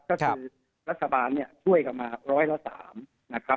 ก็คือรัฐบาลช่วยกันมา๑๐๓นะครับ